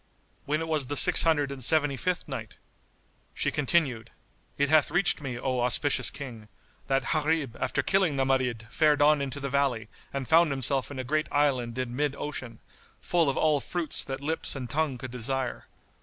When it was the Six Hundred and Seventy fifth Night, She continued, It hath reached me, O auspicious King, that Gharib after killing the Marid fared on into the valley and found himself in a great island in mid ocean, full of all fruits that lips and tongue could desire.